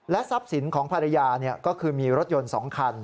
ทรัพย์สินของภรรยาก็คือมีรถยนต์๒คัน